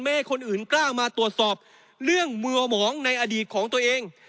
ให้คนอื่นกล้ามาตรวจสอบเรื่องมัวหมองในอดีตของตัวเอง